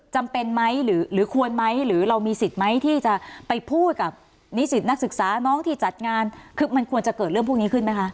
จำเป็นไหมหรือควรไหมหรือเรามีสิทธิ์ไหมที่จะไปพูดกับนิสิตนักศึกษาน้องที่จัดงานคือมันควรจะเกิดเรื่องพวกนี้ขึ้นไหมคะ